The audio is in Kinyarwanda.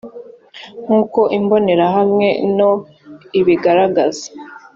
nk uko imbonerahamwe no ibigaragaza